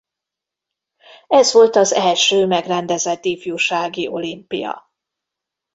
Ez volt az első megrendezett ifjúsági olimpia.